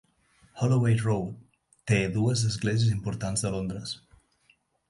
Holloway Road té dues esglésies importants de Londres.